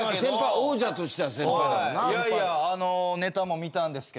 王者としては先輩だもんな。